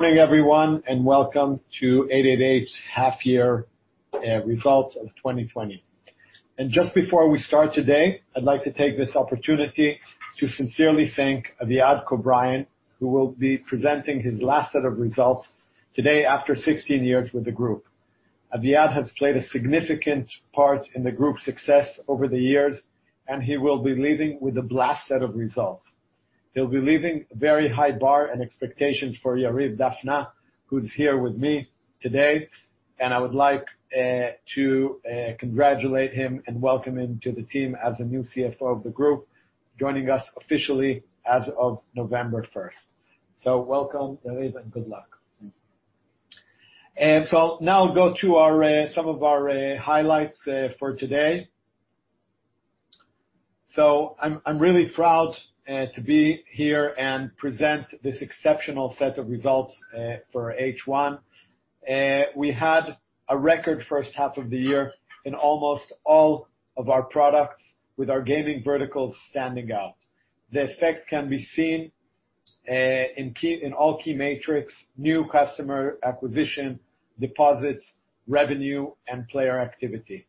Morning, everyone, and welcome to 888's Half-Year Results of 2020. And just before we start today, I'd like to take this opportunity to sincerely thank Aviad Kobrine, who will be presenting his last set of results today after 16 years with the group. Aviad has played a significant part in the group's success over the years, and he will be leaving with a blast set of results. He'll be leaving a very high bar and expectations for Yariv Dafna, who's here with me today. And I would like to congratulate him and welcome him to the team as a new CFO of the group, joining us officially as of November 1. So welcome, Yariv, and good luck. And so now I'll go to some of our highlights for today. So I'm really proud to be here and present this exceptional set of results for H1.We had a record first half of the year in almost all of our products, with our gaming verticals standing out. The effect can be seen in all key metrics: new customer acquisition, deposits, revenue, and player activity.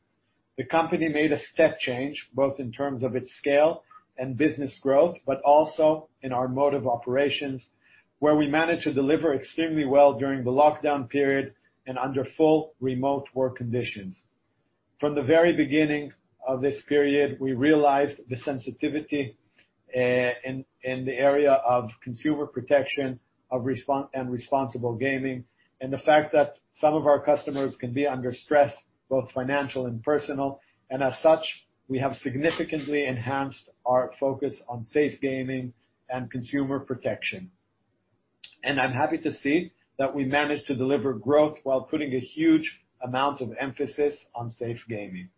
The company made a step change, both in terms of its scale and business growth, but also in our mode of operations, where we managed to deliver extremely well during the lockdown period and under full remote work conditions. From the very beginning of this period, we realized the sensitivity in the area of consumer protection and responsible gaming, and the fact that some of our customers can be under stress, both financial and personal. And as such, we have significantly enhanced our focus on safe gaming and consumer protection. And I'm happy to see that we managed to deliver growth while putting a huge amount of emphasis on safe gaming.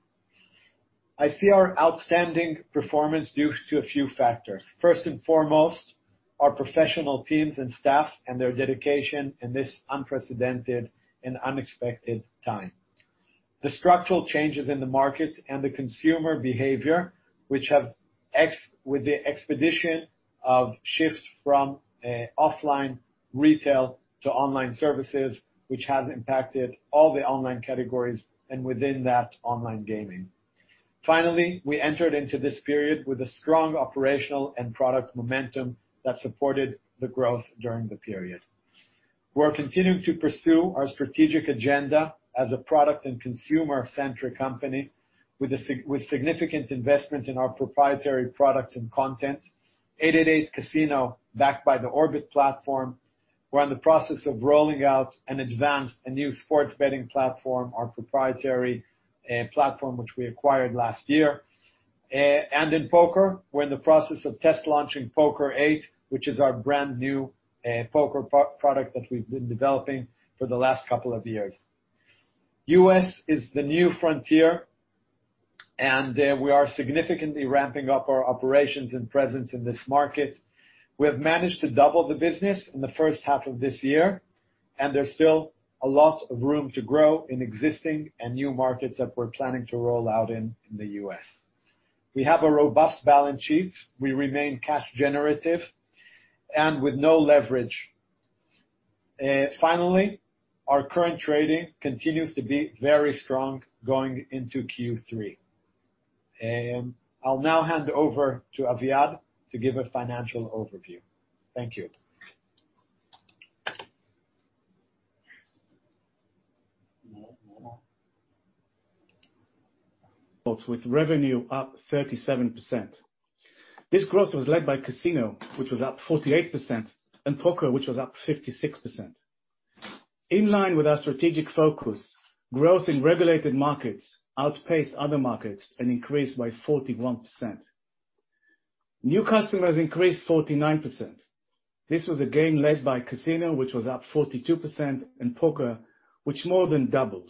I see our outstanding performance due to a few factors. First and foremost, our professional teams and staff and their dedication in this unprecedented and unexpected time. The structural changes in the market and the consumer behavior, which have expedited the shift from offline retail to online services, which has impacted all the online categories and within that, online gaming. Finally, we entered into this period with a strong operational and product momentum that supported the growth during the period. We're continuing to pursue our strategic agenda as a product and consumer-centric company with significant investment in our proprietary products and content. 888casino, backed by the Orbit platform. We're in the process of rolling out and advancing a new sports betting platform, our proprietary platform, which we acquired last year. And in poker, we're in the process of test launching Poker8, which is our brand new poker product that we've been developing for the last couple of years. U.S. is the new frontier, and we are significantly ramping up our operations and presence in this market. We have managed to double the business in the first half of this year, and there's still a lot of room to grow in existing and new markets that we're planning to roll out in the U.S. We have a robust balance sheet. We remain cash generative and with no leverage. Finally, our current trading continues to be very strong going into Q3. I'll now hand over to Aviad to give a financial overview. Thank you. With revenue up 37%. This growth was led by Casino, which was up 48%, and Poker, which was up 56%. In line with our strategic focus, growth in regulated markets outpaced other markets and increased by 41%. New customers increased 49%. This was again led by Casino, which was up 42%, and Poker, which more than doubled.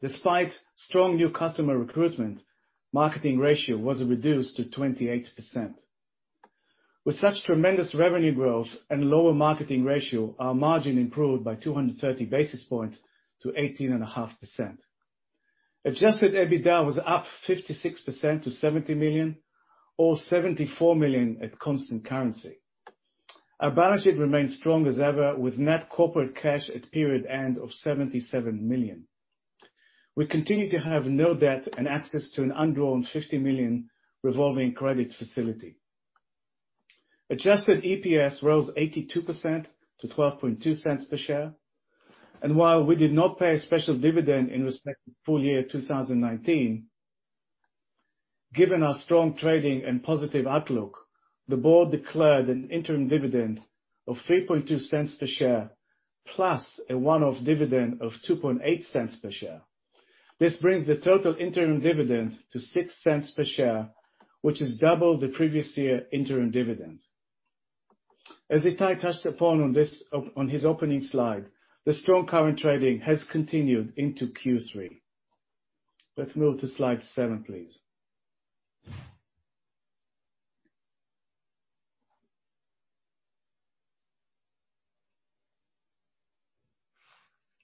Despite strong new customer recruitment, marketing ratio was reduced to 28%. With such tremendous revenue growth and lower marketing ratio, our margin improved by 230 basis points to 18.5%. Adjusted EBITDA was up 56% to $70 million, or $74 million at constant currency. Our balance sheet remained strong as ever, with net corporate cash at period end of $77 million. We continue to have no debt and access to an un-drawn $50 million revolving credit facility. Adjusted EPS rose 82% to $0.122 per share. While we did not pay a special dividend in respect to full year 2019, given our strong trading and positive outlook, the board declared an interim dividend of $0.032 per share, plus a one-off dividend of $0.028 per share. This brings the total interim dividend to $0.06 per share, which is double the previous year interim dividend. As Itai touched upon on his opening slide, the strong current trading has continued into Q3. Let's move to slide seven, please.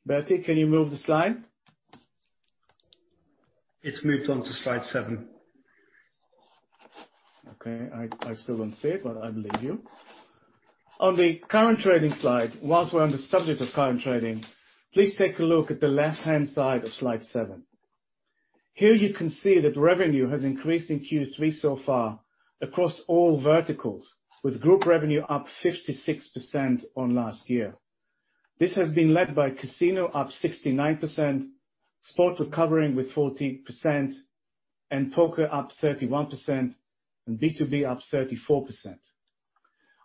Bertie, can you move the slide? It's moved on to slide seven. Okay. I still don't see it, but I believe you. On the current trading slide, whilst we're on the subject of current trading, please take a look at the left-hand side of slide seven. Here you can see that revenue has increased in Q3 so far across all verticals, with group revenue up 56% on last year. This has been led by Casino, up 69%, sports recovering with 40%, and Poker, up 31%, and B2B, up 34%.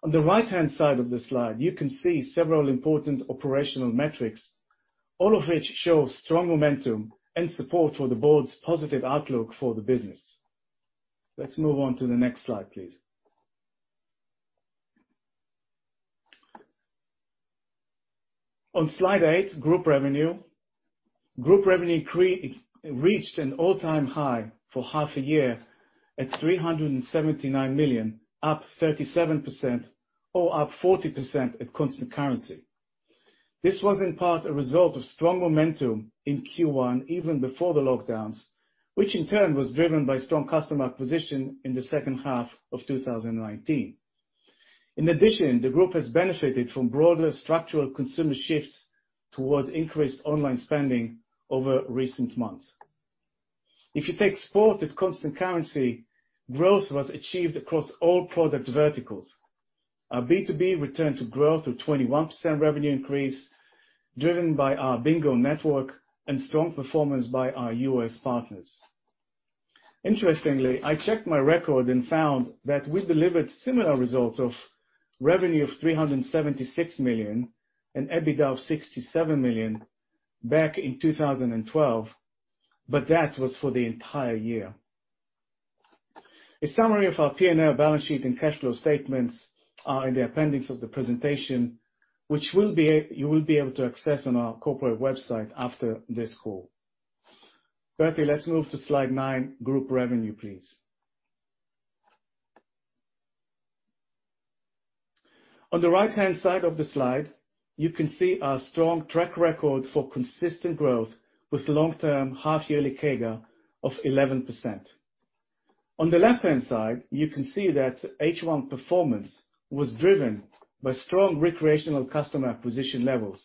On the right-hand side of the slide, you can see several important operational metrics, all of which show strong momentum and support for the board's positive outlook for the business. Let's move on to the next slide, please. On slide eight, group revenue, group revenue reached an all-time high for half a year at $379 million, up 37%, or up 40% at constant currency. This was in part a result of strong momentum in Q1, even before the lockdowns, which in turn was driven by strong customer acquisition in the second half of 2019. In addition, the group has benefited from broader structural consumer shifts towards increased online spending over recent months. If you take sport at constant currency, growth was achieved across all product verticals. Our B2B returned to growth with 21% revenue increase, driven by our Bingo network and strong performance by our U.S. partners. Interestingly, I checked my record and found that we delivered similar results of revenue of $376 million and EBITDA of $67 million back in 2012, but that was for the entire year. A summary of our P&L balance sheet and cash flow statements are in the appendix of the presentation, which you will be able to access on our corporate website after this call. Bertie, let's move to slide nine, group revenue, please. On the right-hand side of the slide, you can see our strong track record for consistent growth with long-term half-yearly CAGR of 11%. On the left-hand side, you can see that H1 performance was driven by strong recreational customer acquisition levels.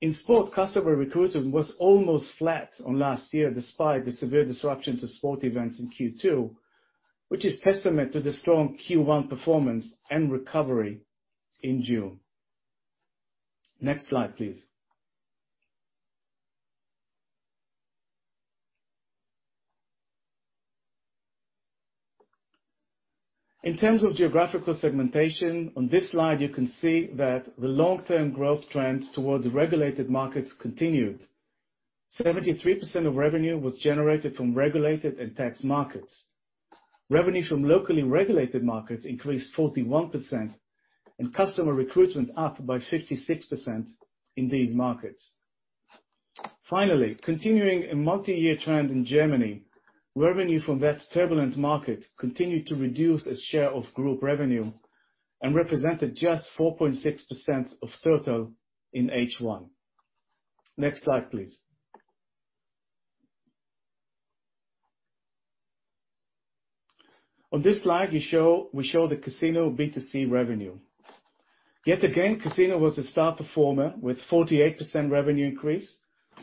In sports, customer recruitment was almost flat on last year, despite the severe disruption to sport events in Q2, which is a testament to the strong Q1 performance and recovery in June. Next slide, please. In terms of geographical segmentation, on this slide, you can see that the long-term growth trend towards regulated markets continued. 73% of revenue was generated from regulated and tax markets. Revenue from locally regulated markets increased 41%, and customer recruitment up by 56% in these markets. Finally, continuing a multi-year trend in Germany, revenue from that turbulent market continued to reduce its share of group revenue and represented just 4.6% of total in H1. Next slide, please. On this slide, we show the Casino B2C revenue. Yet again, Casino was a star performer with a 48% revenue increase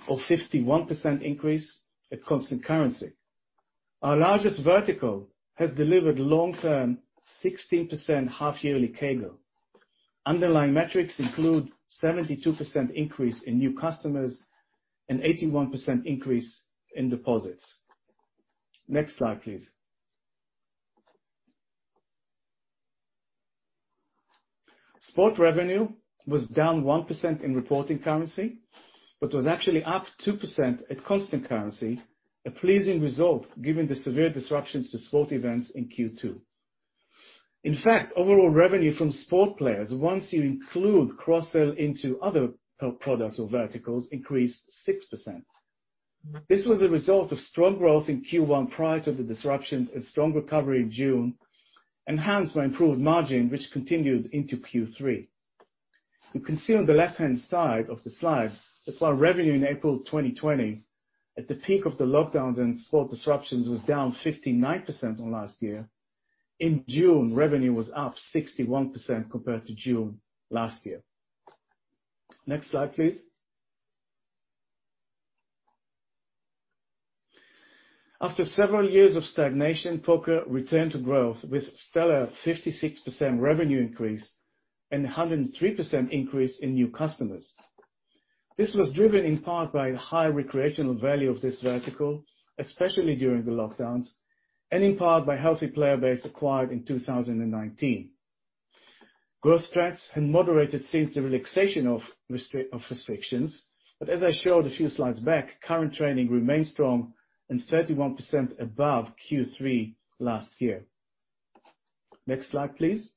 or 51% increase at constant currency. Our largest vertical has delivered long-term 16% half-yearly CAGR. Underlying metrics include a 72% increase in new customers and an 81% increase in deposits. Next slide, please. Sport revenue was down 1% in reporting currency, but was actually up 2% at constant currency, a pleasing result given the severe disruptions to sport events in Q2. In fact, overall revenue from sport players, once you include cross-sell into other products or verticals, increased 6%. This was a result of strong growth in Q1 prior to the disruptions and strong recovery in June, enhanced by improved margin, which continued into Q3. You can see on the left-hand side of the slide that while revenue in April 2020, at the peak of the lockdowns and sport disruptions, was down 59% on last year, in June, revenue was up 61% compared to June last year. Next slide, please. After several years of stagnation, poker returned to growth with a stellar 56% revenue increase and a 103% increase in new customers. This was driven in part by the high recreational value of this vertical, especially during the lockdowns, and in part by a healthy player base acquired in 2019. Growth trends had moderated since the relaxation of restrictions, but as I showed a few slides back, current trading remained strong and 31% above Q3 last year. Next slide, please.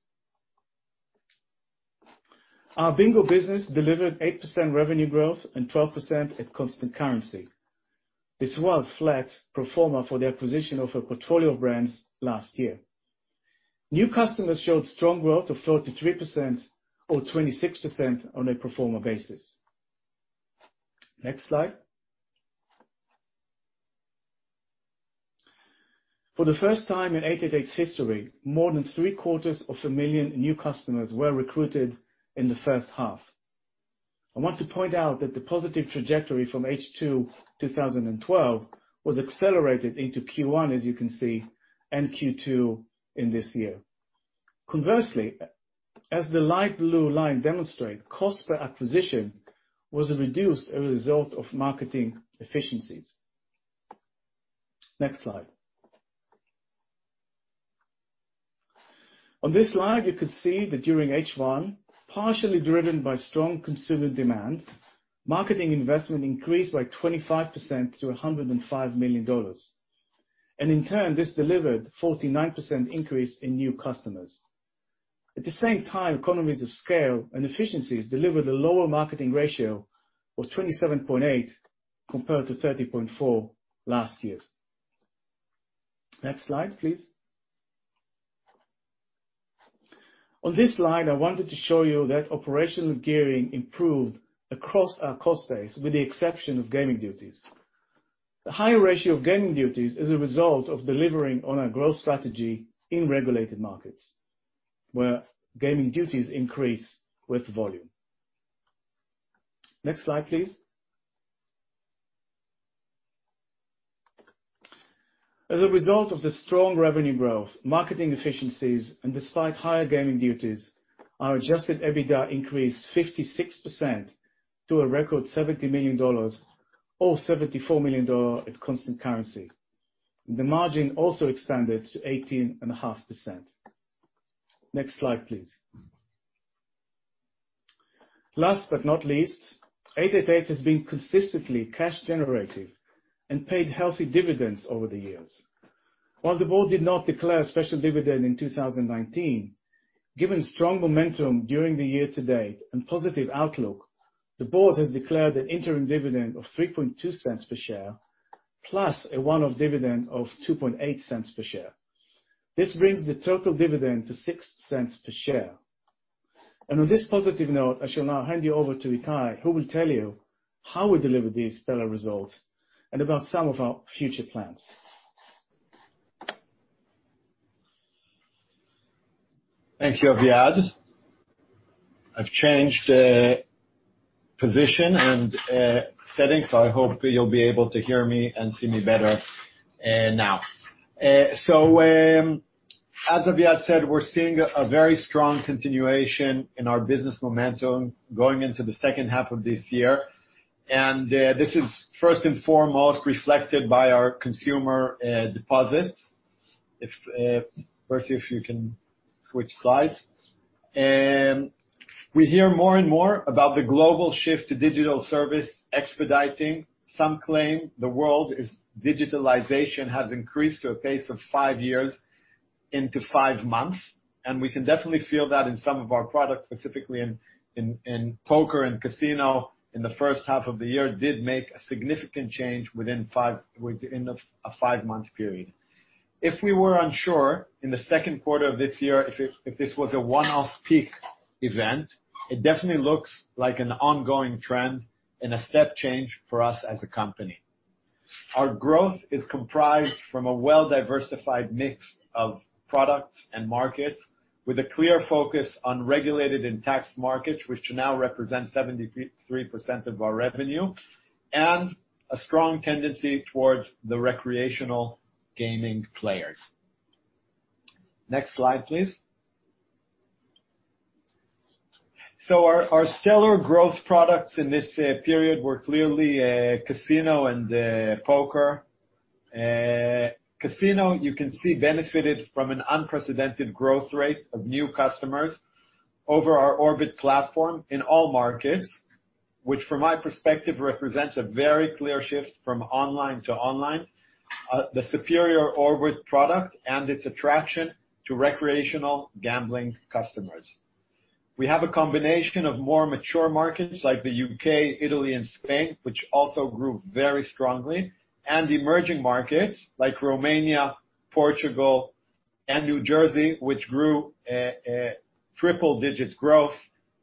Our Bingo business delivered 8% revenue growth and 12% at constant currency. This was a solid performer despite the acquisition of a portfolio of brands last year. New customers showed strong growth of 43% or 26% on a pro forma basis. Next slide. For the first time in 888's history, more than 750,000 new customers were recruited in the first half. I want to point out that the positive trajectory from H2 2022 was accelerated into Q1, as you can see, and Q2 in this year. Conversely, as the light blue line demonstrates, cost per acquisition was reduced as a result of marketing efficiencies. Next slide. On this slide, you could see that during H1, partially driven by strong consumer demand, marketing investment increased by 25% to $105 million, and in turn, this delivered a 49% increase in new customers. At the same time, economies of scale and efficiencies delivered a lower marketing ratio of 27.8% compared to 30.4% last year. Next slide, please. On this slide, I wanted to show you that operational gearing improved across our cost base with the exception of gaming duties. The higher ratio of gaming duties is a result of delivering on our growth strategy in regulated markets, where gaming duties increase with volume. Next slide, please. As a result of the strong revenue growth, marketing efficiencies, and despite higher gaming duties, our Adjusted EBITDA increased 56% to a record $70 million or $74 million at constant currency. The margin also expanded to 18.5%. Next slide, please. Last but not least, 888 has been consistently cash generative and paid healthy dividends over the years. While the board did not declare a special dividend in 2019, given strong momentum during the year to date and positive outlook, the board has declared an interim dividend of $0.032 per share, plus a one-off dividend of $0.028 per share. This brings the total dividend to $0.06 per share. And on this positive note, I shall now hand you over to Itai, who will tell you how we delivered these stellar results and about some of our future plans. Thank you, Aviad. I've changed position and settings, so I hope you'll be able to hear me and see me better now. So, as Aviad said, we're seeing a very strong continuation in our business momentum going into the second half of this year. And this is, first and foremost, reflected by our consumer deposits. Bertie, if you can switch slides. We hear more and more about the global shift to digital service expediting. Some claim the world's digitalization has increased to a pace of five years into five months. And we can definitely feel that in some of our products, specifically in poker and casino, in the first half of the year did make a significant change within a five-month period. If we were unsure in the Q2 of this year if this was a one-off peak event, it definitely looks like an ongoing trend and a step change for us as a company. Our growth is comprised from a well-diversified mix of products and markets, with a clear focus on regulated and taxed markets, which now represent 73% of our revenue, and a strong tendency towards the recreational gaming players. Next slide, please. So our stellar growth products in this period were clearly casino and poker. Casino, you can see, benefited from an unprecedented growth rate of new customers over our Orbit platform in all markets, which, from my perspective, represents a very clear shift from online to online, the superior Orbit product and its attraction to recreational gambling customers. We have a combination of more mature markets like the U.K., Italy, and Spain, which also grew very strongly, and emerging markets like Romania, Portugal, and New Jersey, which grew triple-digit growth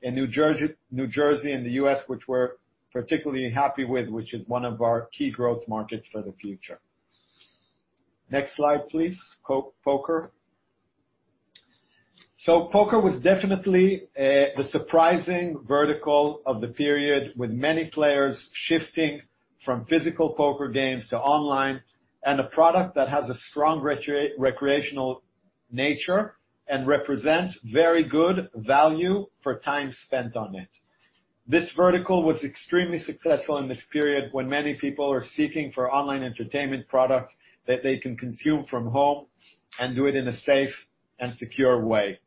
in New Jersey and the U.S., which we're particularly happy with, which is one of our key growth markets for the future. Next slide, please. Poker. So poker was definitely the surprising vertical of the period, with many players shifting from physical poker games to online and a product that has a strong recreational nature and represents very good value for time spent on it. This vertical was extremely successful in this period when many people are seeking for online entertainment products that they can consume from home and do it in a safe and secure way.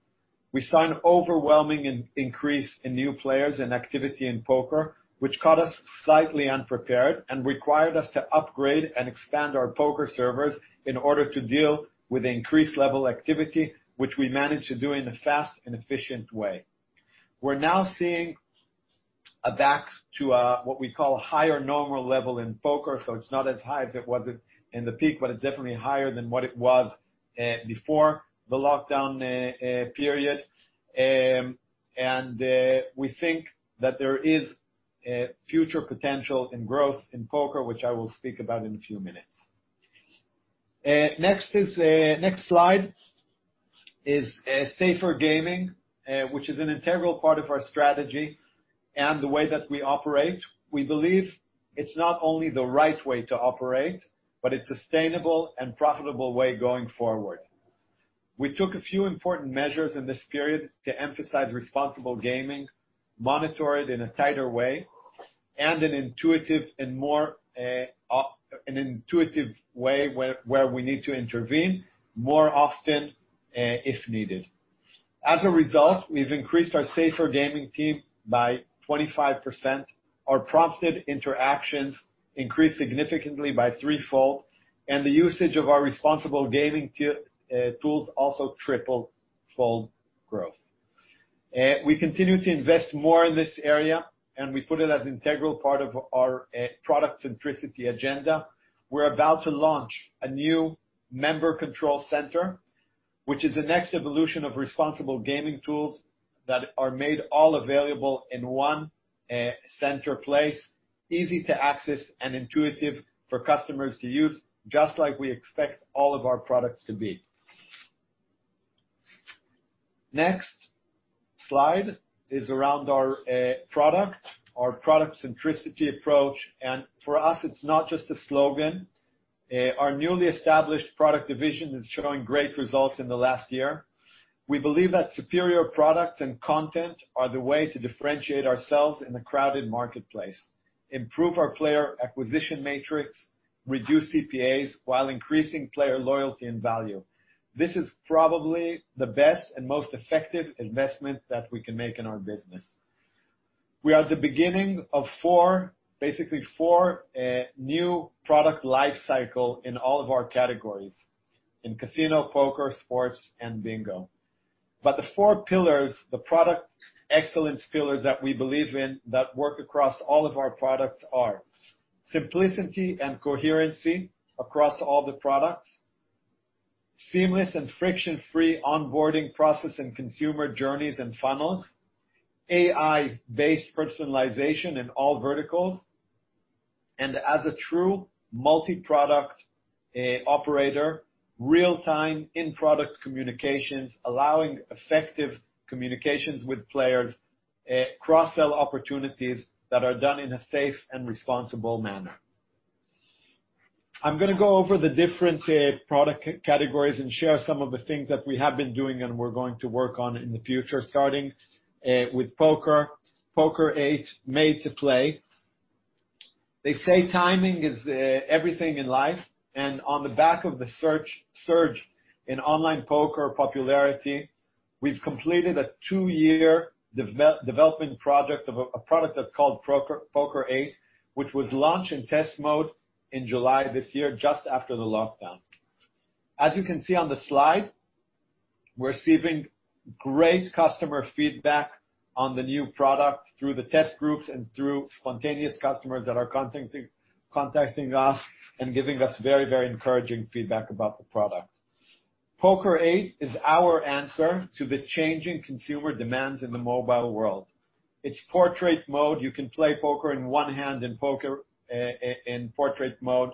We saw an overwhelming increase in new players and activity in poker, which caught us slightly unprepared and required us to upgrade and expand our poker servers in order to deal with increased level activity, which we managed to do in a fast and efficient way. We're now seeing back to what we call a higher normal level in poker, so it's not as high as it was in the peak, but it's definitely higher than what it was before the lockdown period, and we think that there is future potential in growth in poker, which I will speak about in a few minutes. Next slide is Safer Gaming, which is an integral part of our strategy and the way that we operate. We believe it's not only the right way to operate, but it's a sustainable and profitable way going forward. We took a few important measures in this period to emphasize responsible gaming, monitor it in a tighter way, and in an intuitive way where we need to intervene more often if needed. As a result, we've increased our Safer Gaming team by 25%. Our prompted interactions increased significantly threefold, and the usage of our responsible gaming tools also tripled growth. We continue to invest more in this area, and we put it as an integral part of our product centricity agenda. We're about to launch a new Member Control Centre, which is the next evolution of responsible gaming tools that are made all available in one central place, easy to access and intuitive for customers to use, just like we expect all of our products to be. Next slide is around our product, our product centricity approach, and for us, it's not just a slogan. Our newly established product division is showing great results in the last year. We believe that superior products and content are the way to differentiate ourselves in a crowded marketplace, improve our player acquisition matrix, reduce CPAs while increasing player loyalty and value. This is probably the best and most effective investment that we can make in our business. We are at the beginning of, basically, four new product life cycles in all of our categories: in casino, poker, sports, and bingo. But the four pillars, the product excellence pillars that we believe in that work across all of our products are simplicity and coherency across all the products, seamless and friction-free onboarding process and consumer journeys and funnels, AI-based personalization in all verticals, and as a true multi-product operator, real-time in-product communications allowing effective communications with players, cross-sell opportunities that are done in a safe and responsible manner. I'm going to go over the different product categories and share some of the things that we have been doing and we're going to work on in the future, starting with poker, Poker8, Made to Play. They say timing is everything in life, and on the back of the surge in online poker popularity, we've completed a two-year development project of a product that's called Poker8, which was launched in test mode in July this year, just after the lockdown. As you can see on the slide, we're receiving great customer feedback on the new product through the test groups and through spontaneous customers that are contacting us and giving us very, very encouraging feedback about the product. Poker8 is our answer to the changing consumer demands in the mobile world. It's portrait mode. You can play poker in one hand in portrait mode.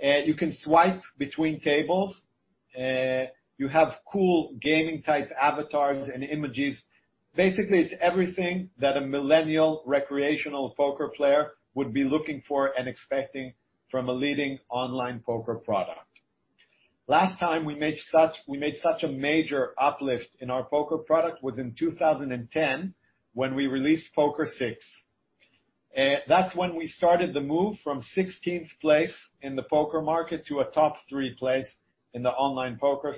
You can swipe between tables. You have cool gaming-type avatars and images. Basically, it's everything that a millennial recreational poker player would be looking for and expecting from a leading online poker product. Last time we made such a major uplift in our poker product was in 2010 when we released Poker6. That's when we started the move from 16th place in the poker market to a top three place in the online poker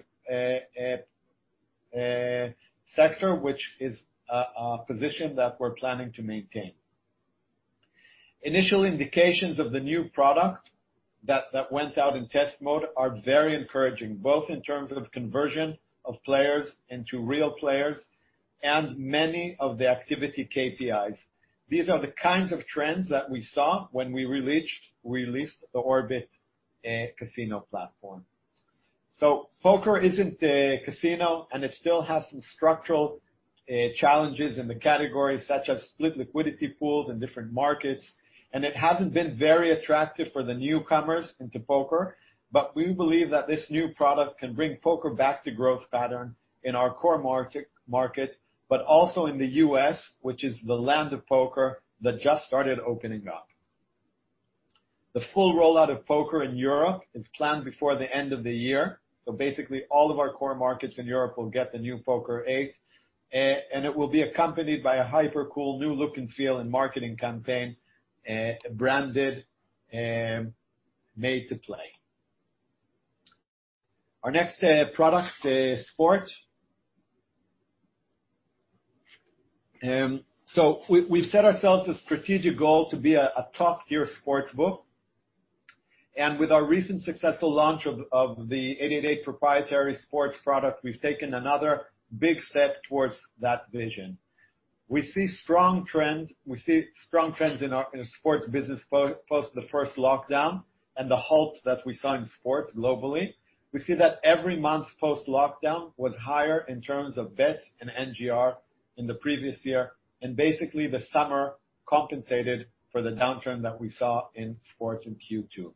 sector, which is a position that we're planning to maintain. Initial indications of the new product that went out in test mode are very encouraging, both in terms of conversion of players into real players and many of the activity KPIs. These are the kinds of trends that we saw when we released the Orbit casino platform. Poker isn't a casino, and it still has some structural challenges in the category, such as split liquidity pools in different markets. And it hasn't been very attractive for the newcomers into poker. But we believe that this new product can bring poker back to growth pattern in our core market, but also in the U.S., which is the land of poker that just started opening up. The full rollout of poker in Europe is planned before the end of the year. So basically, all of our core markets in Europe will get the new Poker8. And it will be accompanied by a hyper-cool new look and feel and marketing campaign, branded, Made to Play. Our next product is sport. So we've set ourselves a strategic goal to be a top-tier sports book. With our recent successful launch of the 888 proprietary sports product, we've taken another big step towards that vision. We see strong trends. We see strong trends in our sports business post the first lockdown and the halt that we saw in sports globally. We see that every month post lockdown was higher in terms of bets and NGR in the previous year. Basically, the summer compensated for the downturn that we saw in sports in Q2.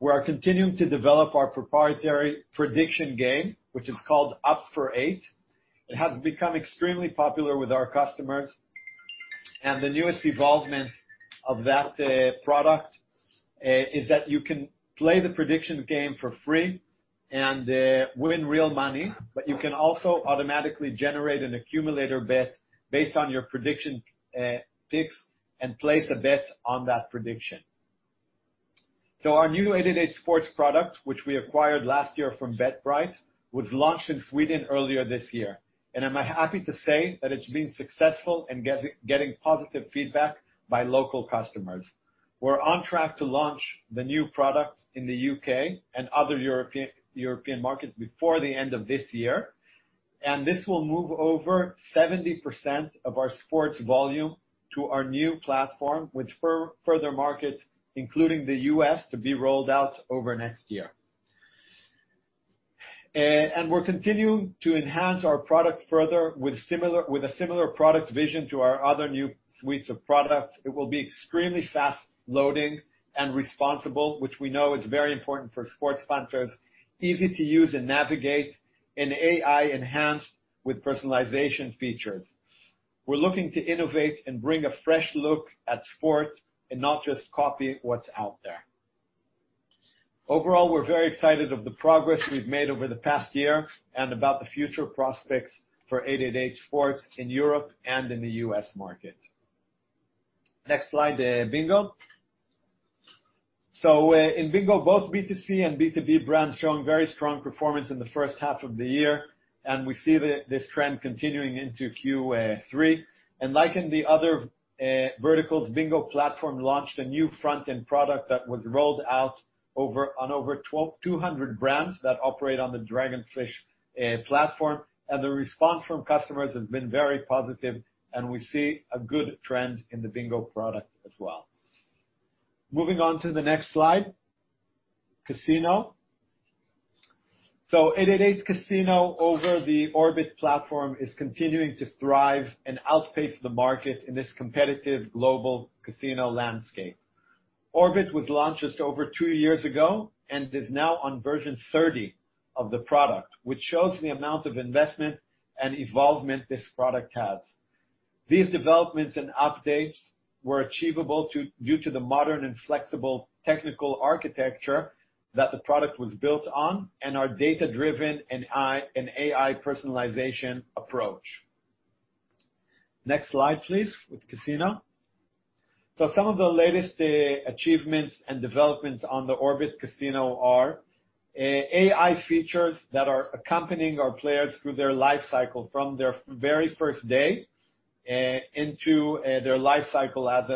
We are continuing to develop our proprietary prediction game, which is called Up for 8. It has become extremely popular with our customers. The newest evolvement of that product is that you can play the prediction game for free and win real money, but you can also automatically generate an accumulator bet based on your prediction picks and place a bet on that prediction. Our new 888sport product, which we acquired last year from BetBright, was launched in Sweden earlier this year. I'm happy to say that it's been successful in getting positive feedback by local customers. We're on track to launch the new product in the U.K. and other European markets before the end of this year. This will move over 70% of our sports volume to our new platform, with further markets, including the U.S., to be rolled out over next year. We're continuing to enhance our product further with a similar product vision to our other new suites of products. It will be extremely fast loading and responsive, which we know is very important for sports punters, easy to use and navigate, and AI-enhanced with personalization features. We're looking to innovate and bring a fresh look at sport and not just copy what's out there. Overall, we're very excited about the progress we've made over the past year and about the future prospects for 888sport in Europe and in the U.S. market. Next slide, Bingo. So in Bingo, both B2C and B2B brands showing very strong performance in the first half of the year. And we see this trend continuing into Q3. And like in the other verticals, Bingo platform launched a new front-end product that was rolled out on over 200 brands that operate on the Dragonfish platform. And the response from customers has been very positive. And we see a good trend in the Bingo product as well. Moving on to the next slide, Casino. So 888casino over the Orbit platform is continuing to thrive and outpace the market in this competitive global casino landscape. Orbit was launched just over two years ago and is now on version 30 of the product, which shows the amount of investment and evolvement this product has. These developments and updates were achievable due to the modern and flexible technical architecture that the product was built on and our data-driven and AI personalization approach. Next slide, please, with casino. So some of the latest achievements and developments on the Orbit casino are AI features that are accompanying our players through their life cycle from their very first day into their life cycle as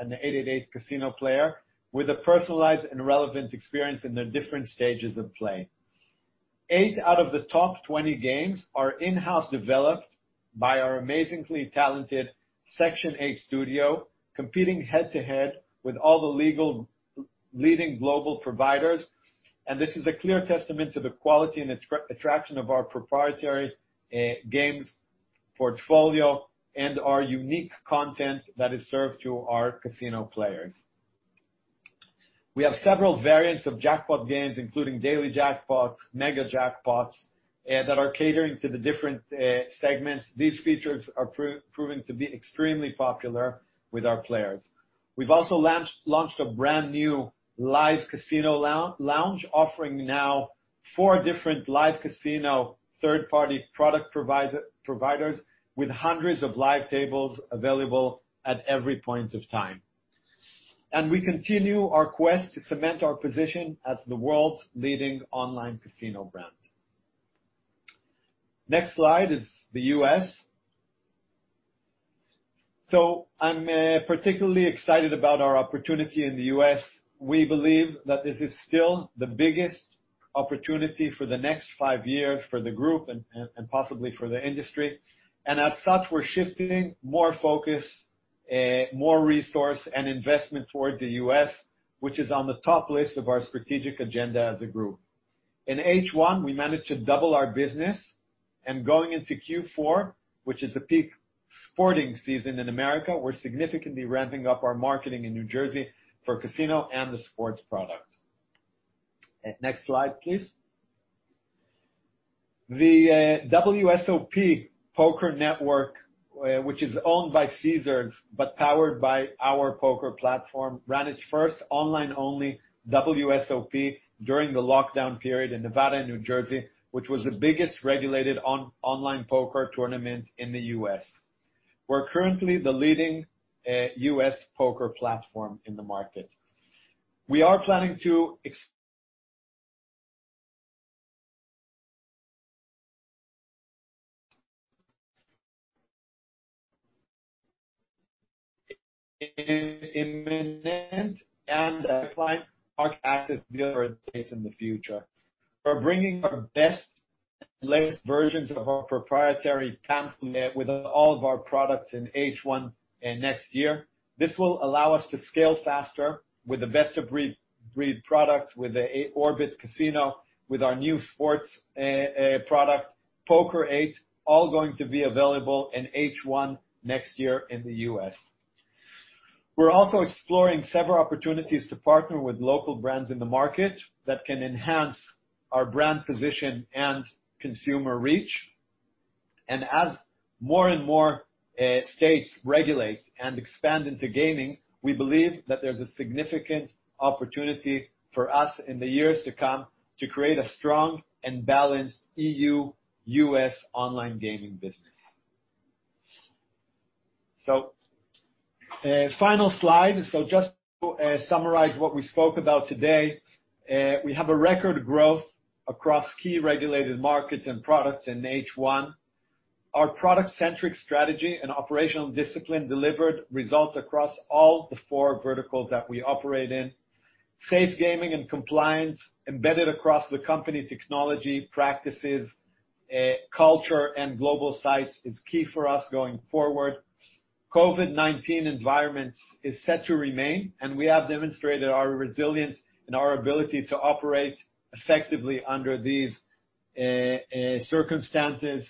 an 888casino player with a personalized and relevant experience in their different stages of play. Eight out of the top 20 games are in-house developed by our amazingly talented Section8 Studio, competing head-to-head with all the leading global providers. And this is a clear testament to the quality and attraction of our proprietary games portfolio and our unique content that is served to our casino players. We have several variants of jackpot games, including daily jackpots, mega jackpots that are catering to the different segments. These features are proving to be extremely popular with our players. We've also launched a brand new live casino lounge, offering now four different live casino third-party product providers with hundreds of live tables available at every point of time. And we continue our quest to cement our position as the world's leading online casino brand. Next slide is the U.S. So I'm particularly excited about our opportunity in the U.S. We believe that this is still the biggest opportunity for the next five years for the group and possibly for the industry. As such, we're shifting more focus, more resource, and investment towards the U.S., which is on the top list of our strategic agenda as a group. In H1, we managed to double our business. Going into Q4, which is the peak sporting season in America, we're significantly ramping up our marketing in New Jersey for casino and the sports product. Next slide, please. The WSOP Poker Network, which is owned by Caesars but powered by our poker platform, ran its first online-only WSOP during the lockdown period in Nevada and New Jersey, which was the biggest regulated online poker tournament in the U.S. We're currently the leading U.S. poker platform in the market. We are planning to implement and deploy our live dealers in the future. We're bringing our best and latest versions of our proprietary platform with all of our products in H1 next year. This will allow us to scale faster with the best-of-breed products with the Orbit casino, with our new sports product, Poker8, all going to be available in H1 next year in the U.S. We're also exploring several opportunities to partner with local brands in the market that can enhance our brand position and consumer reach. And as more and more states regulate and expand into gaming, we believe that there's a significant opportunity for us in the years to come to create a strong and balanced EU-U.S. online gaming business. So final slide. So just to summarize what we spoke about today, we have a record growth across key regulated markets and products in H1. Our product-centric strategy and operational discipline delivered results across all the four verticals that we operate in. Safe gaming and compliance embedded across the company technology practices, culture, and global sites is key for us going forward. COVID-19 environment is set to remain, and we have demonstrated our resilience and our ability to operate effectively under these circumstances.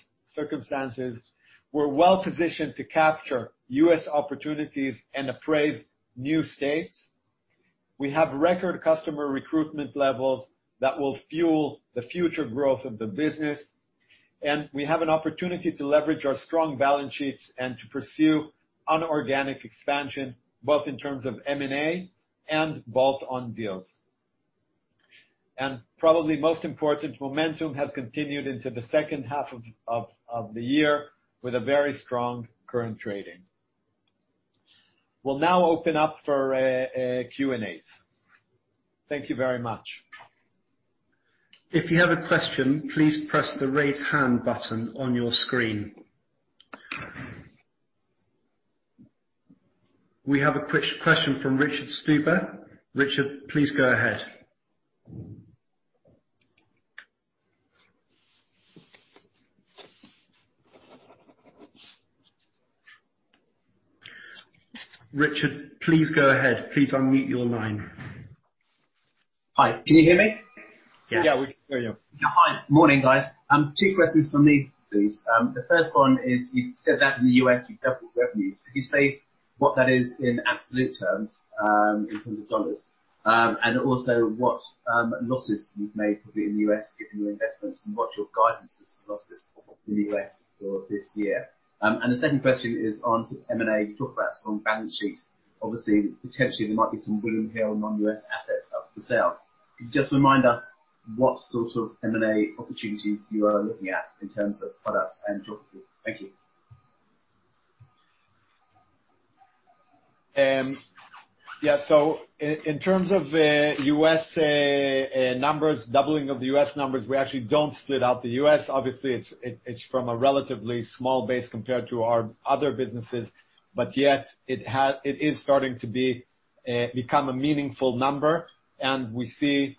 We're well-positioned to capture U.S. opportunities and appraise new states. We have record customer recruitment levels that will fuel the future growth of the business, and we have an opportunity to leverage our strong balance sheets and to pursue inorganic expansion, both in terms of M&A and bolt-on deals, and probably most important, momentum has continued into the second half of the year with a very strong current trading. We'll now open up for Q&As. Thank you very much. If you have a question, please press the raise hand button on your screen. We have a question from Richard Stuber. Richard, please go ahead. Richard, please go ahead. Please unmute your line. Hi. Can you hear me? Yeah, we can hear you. Hi. Morning, guys. Two questions from me, please. The first one is, you said that in the U.S., you've doubled revenues. Can you say what that is in absolute terms in terms of dollars? And also what losses you've made in the U.S. given your investments and what your guidance is for losses in the U.S. for this year? And the second question is on M&A. You talked about a strong balance sheet. Obviously, potentially, there might be some William Hill non-U.S. assets up for sale. Can you just remind us what sort of M&A opportunities you are looking at in terms of product and geography? Thank you. Yeah, so in terms of U.S. numbers, doubling of the U.S. numbers, we actually don't split out the U.S. Obviously, it's from a relatively small base compared to our other businesses, but yet it is starting to become a meaningful number, and we see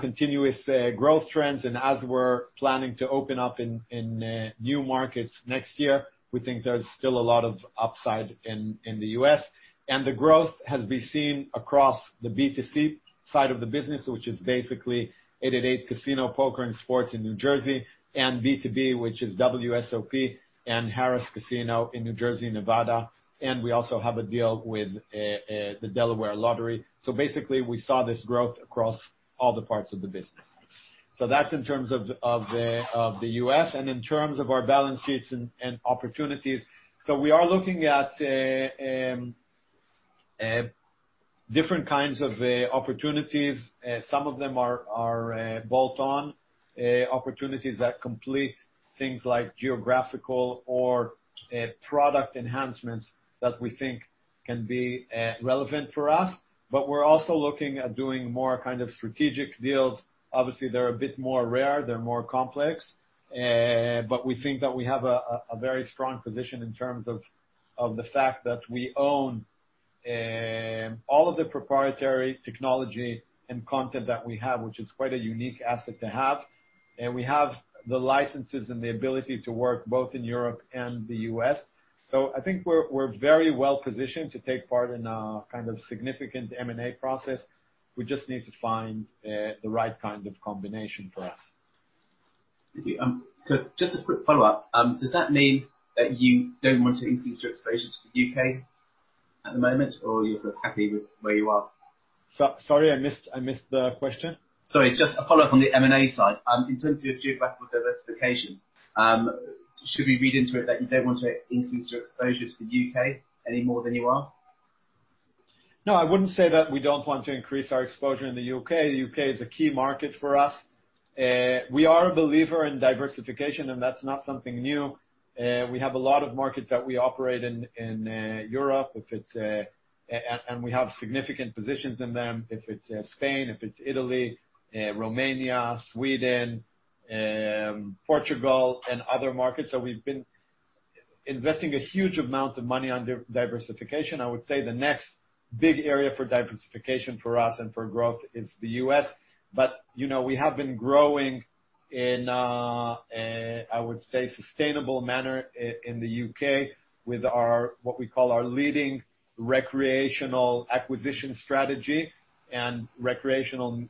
continuous growth trends, and as we're planning to open up in new markets next year, we think there's still a lot of upside in the U.S., and the growth has been seen across the B2C side of the business, which is basically 888casino, poker, and sports in New Jersey, and B2B, which is WSOP and Harrah's Casino in New Jersey, Nevada, and we also have a deal with the Delaware Lottery, so basically we saw this growth across all the parts of the business, so that's in terms of the U.S. and in terms of our balance sheets and opportunities. So we are looking at different kinds of opportunities. Some of them are bolt-on opportunities that complete things like geographical or product enhancements that we think can be relevant for us. But we're also looking at doing more kind of strategic deals. Obviously, they're a bit more rare. They're more complex. But we think that we have a very strong position in terms of the fact that we own all of the proprietary technology and content that we have, which is quite a unique asset to have. And we have the licenses and the ability to work both in Europe and the U.S. So I think we're very well-positioned to take part in a kind of significant M&A process. We just need to find the right kind of combination for us. Just a quick follow-up. Does that mean that you don't want to increase your exposure to the U.K. at the moment, or you're sort of happy with where you are? Sorry, I missed the question. Sorry. Just a follow-up on the M&A side. In terms of your geographical diversification, should we read into it that you don't want to increase your exposure to the U.K. any more than you are? No, I wouldn't say that we don't want to increase our exposure in the U.K. The U.K. is a key market for us. We are a believer in diversification, and that's not something new. We have a lot of markets that we operate in Europe, and we have significant positions in them, if it's Spain, if it's Italy, Romania, Sweden, Portugal, and other markets, so we've been investing a huge amount of money under diversification. I would say the next big area for diversification for us and for growth is the U.S., but we have been growing in, I would say, a sustainable manner in the U.K. with what we call our leading recreational acquisition strategy and recreational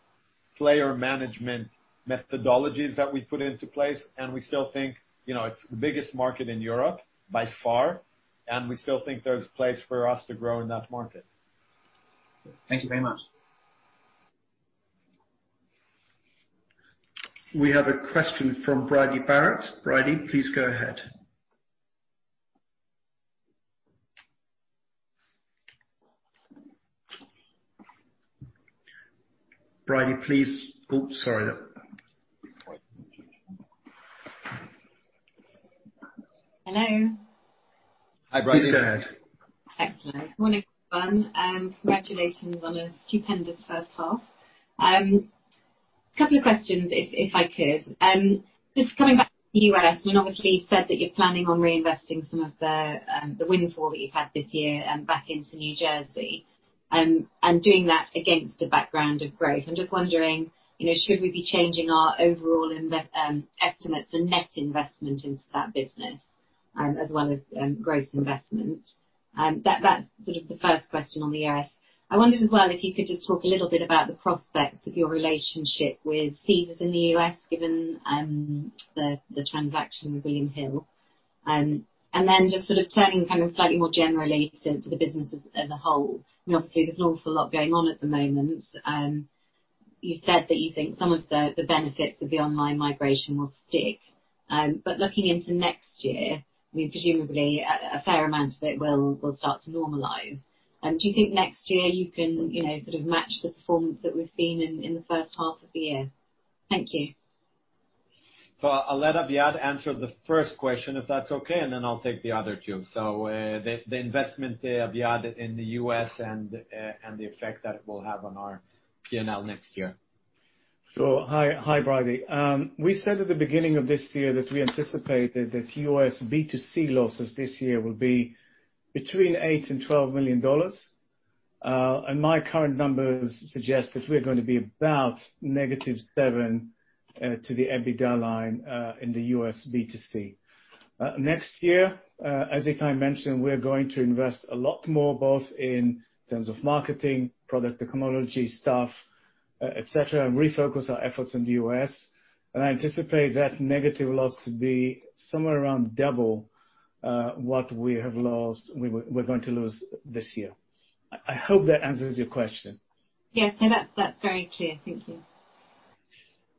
player management methodologies that we put into place, and we still think it's the biggest market in Europe by far. We still think there's a place for us to grow in that market. Thank you very much. We have a question from Brodie Parrott. Brodie, please go ahead. Brodie, please. Oops, sorry. Hello. Hi, Brodie. Please go ahead. Excellent. Good morning, everyone. Congratulations on a stupendous first half. A couple of questions, if I could. Just coming back to the U.S., I mean, obviously, you've said that you're planning on reinvesting some of the windfall that you've had this year back into New Jersey and doing that against a background of growth. I'm just wondering, should we be changing our overall estimates and net investment into that business as well as gross investment? That's sort of the first question on the U.S. I wondered as well if you could just talk a little bit about the prospects of your relationship with Caesars in the U.S., given the transaction with William Hill. And then just sort of turning kind of slightly more generally to the business as a whole. I mean, obviously, there's an awful lot going on at the moment. You said that you think some of the benefits of the online migration will stick. But looking into next year, I mean, presumably, a fair amount of it will start to normalize. Do you think next year you can sort of match the performance that we've seen in the first half of the year? Thank you. So I'll let Aviad answer the first question, if that's okay, and then I'll take the other two. So the investment, Aviad, in the U.S. and the effect that it will have on our P&L next year. So, hi, Brodie. We said at the beginning of this year that we anticipated that U.S. B2C losses this year will be between $8 million and $12 million. And my current numbers suggest that we're going to be about -$7 million to the EBITDA line in the U.S. B2C. Next year, as I mentioned, we're going to invest a lot more, both in terms of marketing, product technology, stuff, etc., and refocus our efforts in the U.S. And I anticipate that negative loss to be somewhere around double what we have lost, we're going to lose this year. I hope that answers your question. Yes. And that's very clear. Thank you.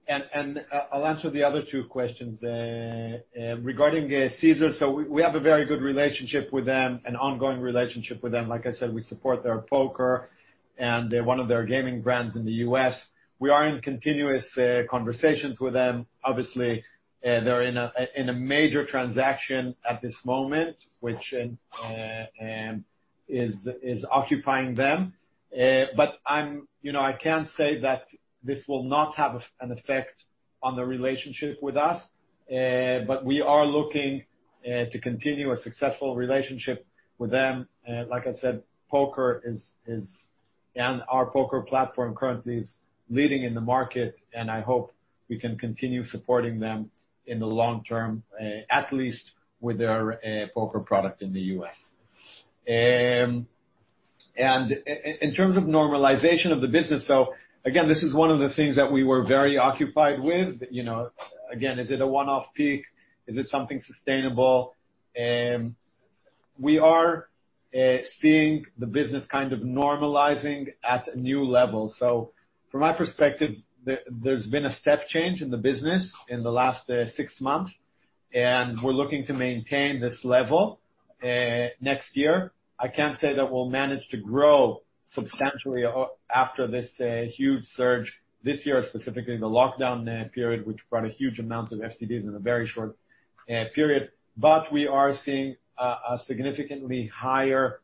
And I'll answer the other two questions. Regarding Caesars, so we have a very good relationship with them and ongoing relationship with them. Like I said, we support their poker and one of their gaming brands in the U.S. We are in continuous conversations with them. Obviously, they're in a major transaction at this moment, which is occupying them. But I can't say that this will not have an effect on the relationship with us. But we are looking to continue a successful relationship with them. Like I said, poker and our poker platform currently is leading in the market, and I hope we can continue supporting them in the long term, at least with their poker product in the U.S. And in terms of normalization of the business, so again, this is one of the things that we were very occupied with. Again, is it a one-off peak? Is it something sustainable? We are seeing the business kind of normalizing at a new level. So from my perspective, there's been a step change in the business in the last six months, and we're looking to maintain this level next year. I can't say that we'll manage to grow substantially after this huge surge this year, specifically the lockdown period, which brought a huge amount of FTDs in a very short period. But we are seeing a significantly higher